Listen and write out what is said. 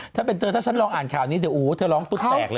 ถ้าเป็นเธอถ้าฉันลองอ่านข่าวนี้เดี๋ยวอู๋เธอร้องตุ๊ดแตกเลย